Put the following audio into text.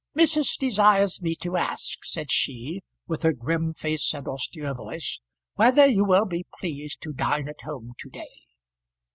"Missus desires me to ask," said she, with her grim face and austere voice, "whether you will be pleased to dine at home to day?"